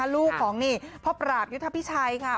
ลูกของนี่พ่อปราบยุทธพิชัยค่ะ